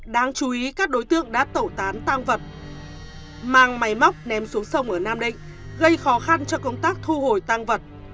đáng chú ý các đối tượng đã tẩu tán tăng vật mang máy móc ném xuống sông ở nam định gây khó khăn cho công tác thu hồi tăng vật